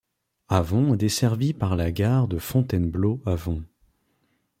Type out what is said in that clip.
Avon est desservie par la gare de Fontainebleau - Avon.